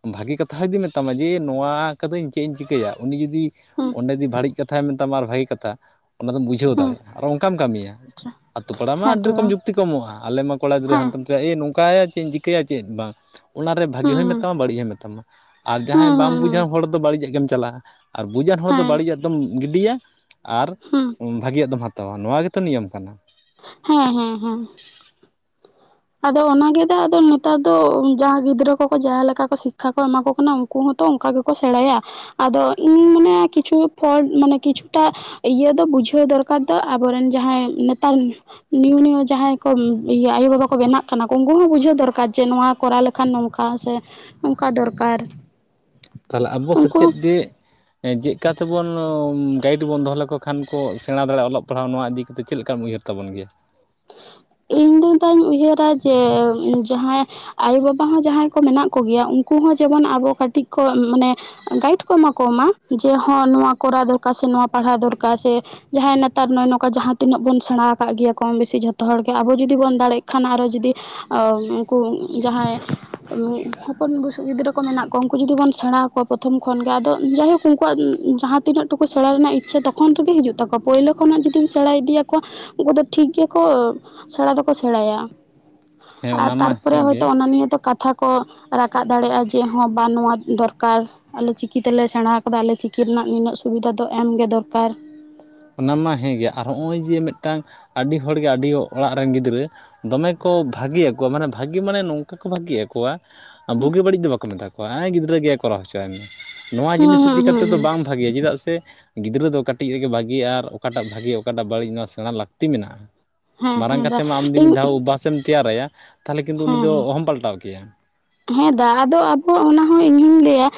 ᱵᱷᱟᱹᱜᱤ ᱠᱟᱛᱷᱟ ᱡᱩᱫᱤ ᱢᱮᱛᱟᱢᱟ ᱡᱮ ᱱᱚᱣᱟ ᱠᱚᱫᱚᱧ ᱪᱮᱜ ᱤᱧ ᱪᱤᱠᱟᱹᱭᱟ ᱩᱱᱤ ᱡᱩᱫᱤ ᱦᱮᱸ ᱚᱸᱰᱮ ᱡᱩᱫᱤ ᱵᱟᱹᱲᱤᱡ ᱠᱟᱛᱷᱟᱭ ᱢᱮᱛᱟᱢᱟ ᱟᱨ ᱵᱷᱟᱹᱜᱤ ᱠᱟᱛᱷᱟ ᱚᱱᱟ ᱫᱚᱢ ᱵᱩᱡᱽ ᱡᱷᱟᱹᱣ ᱦᱮᱸ ᱫᱟᱲᱮᱭᱟᱜᱼᱟ, ᱟᱨ ᱚᱝᱠᱟᱢ ᱠᱟᱹᱢᱤᱭᱟ ᱟᱪᱪᱷᱟ ᱟᱹᱛᱩ ᱯᱟᱲᱟ ᱢᱟ ᱦᱮᱸ ᱟᱹᱰᱤ ᱛᱚ ᱨᱚᱠᱚᱢ ᱵᱟᱝ ᱡᱩᱠᱛᱤ ᱠᱚ ᱮᱢᱚᱜᱼᱟᱸ, ᱟᱞᱮ ᱢᱟ ᱠᱚᱲᱟ ᱜᱤᱫᱽᱨᱟᱹ ᱦᱮᱸ ᱦᱟᱱᱛᱮ ᱡᱟᱜ ᱤ ᱱᱚᱝᱠᱟᱭᱟ ᱪᱮᱫ ᱤᱧ ᱪᱤᱠᱟᱹᱭᱟ ᱪᱮᱫ ᱵᱟᱝ? ᱚᱱᱟ ᱨᱮ ᱵᱷᱟᱹᱜᱤ ᱦᱩᱸ ᱦᱚᱸᱭ ᱢᱮᱛᱟᱢᱟ ᱦᱩᱸ ᱵᱟᱹᱲᱤᱡ ᱦᱚᱸᱭ ᱢᱮᱛᱟᱢᱟ ᱟᱨ ᱡᱟᱦᱟᱸᱭ ᱦᱩᱸ ᱵᱟᱢ ᱵᱩᱡᱽ ᱦᱩᱸ ᱟᱱ ᱦᱚᱲ ᱫᱚ ᱵᱟᱹᱲᱤᱡᱟᱜ ᱜᱮᱢ ᱪᱟᱞᱟᱜᱼᱟ ᱾ ᱟᱨ ᱵᱩᱡᱽᱼᱟᱱ ᱦᱚᱲ ᱫᱚ ᱦᱮᱸ ᱵᱟᱹᱲᱤᱡᱟᱜ ᱫᱚᱢ ᱜᱤᱰᱤᱭᱟ ᱟᱨ ᱦᱩᱸ ᱩᱸ ᱵᱷᱟᱹᱜᱤᱭᱟᱜ ᱫᱚᱢ ᱦᱟᱛ- ᱛᱟᱣᱟ ᱱᱚᱣᱟ ᱜᱮᱛᱚ ᱱᱤᱭᱚᱢ ᱠᱟᱱᱟ ᱾ ᱦᱮᱸ ᱦᱮᱸ ᱦᱮᱸ ᱾ ᱟᱫᱚ ᱚᱱᱟᱜᱮ ᱫᱚ ᱟᱫᱚ ᱱᱮᱛᱟᱨ ᱫᱚ ᱳᱸ ᱡᱟᱦᱟᱸ ᱜᱤᱫᱽᱨᱟᱹ ᱠᱚᱠᱚ ᱡᱟᱦᱟᱸ ᱞᱮᱠᱟ ᱠᱚ ᱥᱤᱠᱠᱷᱟ ᱠᱚ ᱮᱢᱟ ᱠᱚ ᱠᱟᱱᱟ ᱚᱝ- ᱠᱩ ᱦᱚᱸᱛᱚ ᱚᱸᱠᱟ ᱜᱮᱠᱚ ᱥᱮᱬᱟᱭᱟ ᱟᱫᱚ ᱤᱧ ᱢᱟᱱᱮᱜᱼᱟ ᱠᱤᱪᱷᱩ ᱯᱷᱳᱞᱰ ᱢᱟᱱᱮ ᱠᱤᱪᱷᱩ ᱴᱟᱜ ᱤᱭᱟᱹ ᱫᱚ ᱵᱩᱡᱷᱟᱹᱣ ᱫᱚᱨᱠᱟᱨ ᱫᱚ ᱟᱵᱚᱨᱮᱱ ᱡᱟᱦᱟᱸᱭ ᱱᱮᱛᱟᱨ ᱱᱤᱭᱩ ᱱᱤᱭᱩ ᱡᱟᱦᱟᱸᱭ ᱠᱚᱢ ᱤᱭᱟᱹ ᱟᱭᱳ ᱵᱟᱵᱟ ᱠᱚ ᱵᱮᱱᱟᱜ ᱠᱟᱱᱟ ᱠᱚ ᱩᱸᱠᱩ ᱦᱚᱸ ᱵᱩᱡᱷᱟᱹᱣ ᱫᱚᱨᱠᱟᱨ ᱡᱮ ᱱᱚᱣᱟ ᱠᱚᱨᱟᱣ ᱞᱮᱠᱷᱟᱱ ᱱᱚᱝᱠᱟ ᱥᱮ, ᱚᱸᱠᱟ ᱫᱚᱨᱠᱟᱨ? ᱛᱟᱦᱮᱞᱮ ᱟᱵᱚ ᱩᱱᱠᱩ ᱥᱮᱪᱮᱫ ᱦᱚᱸ ᱫᱮᱜ, ᱮᱸ ᱪᱮᱜ ᱠᱟ ᱛᱮᱵᱚᱱ ᱳᱸ ᱜᱟᱹᱭᱤᱰ ᱵᱚᱱ ᱫᱚᱦᱚ ᱞᱮᱠᱚ ᱠᱷᱟᱱ ᱠᱚ ᱥᱮᱬᱟ ᱫᱟᱲᱮᱭᱟᱜᱼᱟ ᱚᱞᱚᱜ ᱯᱟᱲᱦᱟᱣ ᱱᱚᱣᱟ ᱤᱫᱤ ᱠᱟᱛᱮ ᱪᱮᱫ ᱞᱮᱠᱟᱢ ᱩᱭᱦᱟᱹᱨ ᱛᱟᱵᱚᱱ ᱜᱮᱭᱟ? ᱤᱧ ᱫᱩᱧ ᱛᱟᱦᱮᱸᱜ ᱤᱧ ᱩᱭᱦᱟᱹᱨᱟ ᱡᱮ ᱩᱸ ᱡᱟᱦᱟᱸᱭ ᱟᱭᱳ ᱵᱟᱵᱟ ᱦᱚᱸ ᱡᱟᱦᱟᱸᱭ ᱠᱚ ᱢᱮᱱᱟᱜ ᱠᱚᱜᱮᱭᱟ ᱩᱱᱠᱩ ᱦᱚᱸ ᱡᱮᱢᱚᱱ ᱟᱵᱚ ᱠᱟᱹᱴᱤᱡ ᱠᱚ ᱢᱟᱱᱮ ᱩᱸ ᱜᱟᱹᱭᱤᱰ ᱠᱚ ᱮᱢᱟ ᱠᱚᱢᱟ ᱡᱮ ᱦᱚᱸ ᱱᱚᱣᱟ ᱠᱚᱨᱟᱣ ᱫᱚᱨᱠᱟᱨ ᱥᱮ ᱱᱚᱣᱟ ᱯᱟᱲᱦᱟᱣ ᱫᱚᱨᱠᱟᱨ ᱥᱮ ᱡᱟᱦᱟᱸᱭ ᱱᱮᱛᱟᱨ ᱱᱚᱜᱼᱚᱭᱼᱱᱚᱠᱟ ᱡᱟᱦᱟᱸ ᱛᱤᱱᱟᱹᱜ ᱵᱚᱱ ᱥᱮᱬᱟ ᱟᱠᱟᱜ ᱜᱮᱭᱟ ᱠᱚ ᱠᱚᱢ ᱵᱤᱥᱤ ᱡᱷᱚᱛᱚ ᱦᱚᱲ ᱜᱮ ᱟᱵᱚ ᱡᱩᱫᱤ ᱵᱚᱱ ᱫᱟᱲᱮᱜ ᱠᱷᱟᱱ ᱟᱨᱚ ᱡᱩᱫᱤ ᱟᱸ ᱩᱸᱠᱩ ᱡᱟᱦᱟᱸᱭ ᱩᱸ ᱦᱚᱯᱚᱱ ᱵᱩᱥᱩᱜ ᱜᱤᱫᱽᱨᱟᱹ ᱠᱚ ᱢᱮᱱᱟᱜ ᱠᱚᱣᱟ ᱩᱸᱠᱩ ᱡᱩᱫᱤ ᱵᱚᱱ ᱥᱮᱬᱟ ᱦᱟ- ᱠᱚ ᱯᱳᱛᱷᱚᱢ ᱠᱷᱚᱱ ᱜᱮ ᱟᱫᱚᱜ ᱡᱟᱭᱦᱩᱠ ᱩᱱᱠᱩᱣᱟᱜ ᱩᱸ ᱡᱟᱦᱟᱸ ᱛᱤᱱᱟᱹᱜ ᱴᱩᱠᱩ ᱥᱮᱬᱟ ᱨᱮᱱᱟᱜ ᱤᱪᱪᱷᱟ ᱛᱚᱠᱷᱚᱱ ᱨᱮᱜᱮ ᱦᱤᱡᱩᱜ ᱛᱟᱠᱚ- ᱣᱟ, ᱯᱳᱭᱞᱳ ᱠᱷᱚᱱᱟᱜ ᱡᱩᱫᱤᱢ ᱥᱮᱬᱟ ᱤᱫᱤ ᱭᱟᱠᱚᱣᱟ, ᱩᱱᱠᱩ ᱫᱚ ᱴᱷᱤᱠ ᱜᱮᱠᱚ ᱥᱮᱬᱟ ᱫᱚᱠᱚ ᱥᱮᱬᱟᱭᱟ ᱦᱮᱸ ᱾ ᱟᱨ ᱚᱱᱟ ᱢᱟ ᱛᱟᱨᱯᱚᱨᱮ ᱦᱮᱸᱜᱮ ᱦᱚᱭᱛᱚ ᱚᱱᱟ ᱱᱤᱭᱟᱹ ᱛᱚ ᱠᱟᱛᱷᱟ ᱠᱚ ᱨᱟᱠᱟᱵ ᱫᱟᱲᱮᱭᱟᱜᱼᱟ ᱡᱮ ᱦᱚᱸ ᱵᱟ ᱱᱚᱣᱟ ᱫᱚᱨᱠᱟᱨ? ᱟᱞᱮ ᱪᱤᱠᱤ ᱛᱮᱞᱮ ᱥᱮᱬᱟ ᱦᱟᱠᱟᱫᱟ ᱟᱞᱮ ᱪᱤᱠᱤ ᱨᱮᱱᱟᱜ ᱱᱤᱱᱟᱹᱜ ᱥᱩᱵᱤᱫᱷᱟ ᱫᱚ ᱮᱢ ᱜᱮ ᱫᱚᱨᱠᱟᱨ? ᱚᱱᱟ ᱢᱟ ᱦᱮᱸ ᱜᱮ ᱟᱨ ᱦᱚᱸᱜᱼᱚᱭ ᱡᱮ ᱢᱤᱫᱴᱟᱝ ᱟᱹᱰᱤ ᱦᱚᱲ ᱜᱮ ᱟᱹᱰᱤᱭᱚ ᱚᱲᱟᱜ ᱨᱮᱱ ᱜᱤᱫᱽᱨᱟᱹ ᱫᱚᱢᱮ ᱠᱚ ᱵᱷᱟᱹᱜᱮ ᱭᱟᱠᱚᱣᱟ ᱢᱟᱱᱮ ᱵᱷᱟᱹᱜᱤ ᱢᱟᱱᱮ ᱱᱚᱝᱠᱟ ᱠᱚ ᱵᱷᱟᱹᱜᱤ ᱭᱟᱠᱚᱣᱟ ᱟᱸ ᱵᱩᱜᱤ ᱵᱟᱹᱲᱤᱡ ᱫᱚ ᱵᱟᱠᱚ ᱢᱮᱛᱟ ᱠᱚᱣᱟ, ᱮᱸ ᱜᱤᱫᱽᱨᱟᱹ ᱜᱮᱭᱟᱭ ᱠᱚᱨᱟᱣ ᱦᱚᱪᱚᱣᱟᱭ ᱢᱮ, ᱱᱚᱣᱟ ᱦᱩᱸ ᱡᱤᱱᱤᱥ ᱤᱫᱤ ᱦᱩᱸ ᱠᱟᱛᱮ ᱦᱩᱸ ᱫᱚ ᱦᱩᱸ ᱵᱟᱢ ᱵᱷᱟᱜᱮᱭᱟ ᱪᱮᱫᱟᱜ ᱥᱮ ᱜᱤᱫᱽᱨᱟᱹ ᱫᱚ ᱠᱟᱹᱴᱤᱡ ᱨᱮᱜᱮ ᱵᱟᱜ- ᱜᱤ ᱟᱨ ᱚᱠᱟᱴᱟᱜ ᱵᱷᱟᱹᱜᱤ ᱚᱠᱟ ᱴᱟᱜ ᱵᱟᱹᱲᱤᱡ, ᱱᱚᱣᱟ ᱥᱮᱬᱟ ᱞᱟᱹᱠᱛᱤ ᱢᱮᱱᱟᱜᱼᱟ ᱾ ᱦᱮᱸ ᱢᱟᱨᱟᱝ ᱦᱮᱸ ᱫᱟ ᱠᱟᱛᱮ ᱢᱟ ᱟᱢ ᱨᱤᱱ ᱢᱤᱫ ᱤᱧ ᱫᱷᱟᱣ ᱵᱟᱥ ᱥᱮᱢ ᱛᱮᱭᱟᱨᱟᱭᱟ ᱛᱟᱦᱮᱞᱮ ᱠᱤᱱᱛᱩ ᱩᱱᱤ ᱦᱮᱸ ᱦᱮᱸ ᱫᱚ ᱚᱦᱚᱢ ᱯᱟᱞᱴᱟᱣ ᱠᱮᱭᱟ ᱾ ᱦᱮᱸ ᱫᱟᱜ ᱟᱫᱚ ᱟᱵᱚᱣᱟᱜ ᱚᱱᱟ ᱦᱚᱸ ᱤᱧ ᱦᱩᱧ ᱞᱟᱹᱭᱟ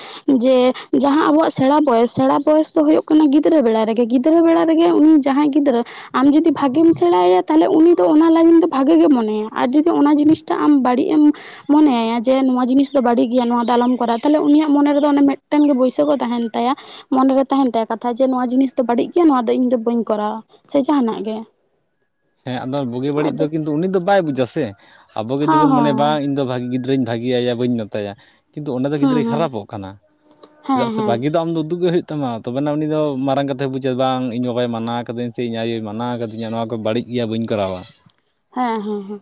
ᱡᱮ ᱡᱟᱦᱟᱸ ᱟᱵᱚᱣᱟᱜ ᱥᱮᱬᱟ ᱵᱚᱭᱮᱥ ᱥᱮᱬᱟ ᱵᱚᱭᱚᱥ ᱫᱚ ᱦᱩᱭᱩᱜ ᱠᱟᱱᱟ ᱜᱤᱫᱽᱨᱟᱹ ᱵᱮᱲᱟ ᱨᱮᱜᱮ, ᱜᱤᱫᱽᱨᱟᱹ ᱵᱮᱲᱟ ᱨᱮᱜᱮ ᱩᱱᱤ ᱡᱟᱦᱟᱸᱭ ᱜᱤᱫᱽᱨᱟᱹ ᱟᱢ ᱡᱩᱫᱤ ᱵᱷᱟᱜᱮᱢ ᱥᱮᱬᱟ ᱦᱟᱭᱟ ᱛᱟᱦᱮᱞᱮ ᱩᱱᱤ ᱫᱚ ᱚᱱᱟ ᱞᱟᱹᱜᱤᱱ ᱫᱚ ᱵᱷᱟᱜᱮ ᱜᱮ ᱢᱚᱱᱮᱭᱟ ᱟᱨ ᱡᱩᱫᱤ ᱚᱱᱟ ᱡᱤᱱᱤᱥ ᱴᱟᱜ ᱟᱢ ᱵᱟᱹᱲᱤᱡ ᱮᱢ ᱢᱚᱱᱮ ᱟᱭᱟ ᱡᱮ ᱱᱚᱣᱟ ᱡᱤᱱᱤᱥ ᱫᱚ ᱵᱟᱹᱲᱤᱜ ᱜᱮᱭᱟ ᱱᱚᱣᱟ ᱫᱚ ᱟᱞᱚᱢ ᱠᱚᱨᱟᱣᱟ ᱛᱟᱦᱮᱞᱮ ᱩᱱᱤᱭᱟᱜ ᱢᱚᱱᱮ ᱨᱮᱫᱚ ᱚᱱᱮ ᱢᱤᱫᱴᱮᱱ ᱜᱮ ᱵᱳᱭᱥᱟᱹᱠᱚ ᱛᱟᱦᱮᱱ ᱛᱟᱭᱟ, ᱢᱚᱱᱮᱨᱮ ᱛᱟᱦᱮᱱ ᱛᱟᱭᱟ ᱠᱟᱛᱷᱟ ᱡᱮ ᱱᱚᱣᱟ ᱡᱤᱱᱤᱥ ᱫᱚ ᱵᱟᱹᱲᱤᱡ ᱜᱮᱭᱟ ᱱᱚᱣᱟ ᱫᱚ ᱤᱧ ᱫᱚ ᱵᱟᱹᱧ ᱠᱚᱨᱟᱣᱟ ᱾ ᱪᱮ ᱡᱟᱦᱟᱸᱱᱟᱜ ᱜᱮ ᱾ ᱦᱮᱸ ᱟᱫᱚ ᱵᱩᱜᱤ ᱵᱟᱹᱲᱤᱡ ᱫᱚ ᱠᱤᱱᱛᱩ ᱩᱱᱤ ᱫᱚ ᱵᱟᱭ ᱵᱩᱡᱟ ᱥᱮ ᱟᱵᱚ ᱜᱮ ᱦᱚᱸ ᱡᱩᱫᱤᱵᱚᱱ ᱢᱚᱱᱮᱭᱟ ᱦᱚᱸ ᱵᱟᱝ ᱤᱧ ᱫᱚ ᱵᱟ ᱜᱤᱫᱽᱨᱟᱹᱧ ᱵᱷᱟᱹᱜᱮ ᱟᱭᱟ ᱵᱟᱹᱧ ᱢᱮᱛᱟᱭᱟ ᱾ ᱠᱤᱱᱛᱩ ᱚᱸᱰᱮ ᱫᱚ ᱦᱚᱸ ᱜᱤᱫᱽᱨᱟᱹᱭ ᱦᱩᱸ ᱦᱩᱸ ᱠᱷᱟᱨᱟᱯᱚᱜ ᱠᱟᱱᱟ ᱦᱮᱸ ᱪᱮᱫᱟᱜ ᱥᱮ ᱦᱮᱸ ᱵᱷᱟᱹᱜᱤ ᱫᱚ ᱟᱢ ᱫᱚ ᱩᱫᱩᱜ ᱜᱮ ᱦᱩᱭᱩᱜ ᱛᱟᱢᱟ ᱛᱚᱵᱮᱱᱟᱜ ᱩᱱᱤ ᱫᱚ ᱢᱟᱨᱟᱝ ᱠᱟᱛᱷᱟᱭ ᱵᱩᱡᱟ ᱵᱟᱝ ᱤᱧ ᱵᱟᱵᱟᱭ ᱢᱟᱱᱟ ᱟᱠᱟᱫᱟᱹᱧ ᱥᱮ ᱤᱧ ᱟᱭᱳ ᱢᱟᱱᱟ ᱟᱠᱟᱫᱤᱧᱟ ᱱᱚᱣᱟ ᱠᱚ ᱵᱟᱹᱲᱤᱡ ᱜᱤᱭᱟ ᱵᱟᱹᱧ ᱠᱚᱨᱟᱣᱟ ᱾ ᱦᱮᱸ ᱦᱮᱸ ᱦᱮᱸ ᱾